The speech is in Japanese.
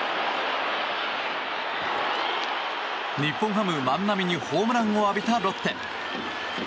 日本ハム、万波にホームランを浴びたロッテ。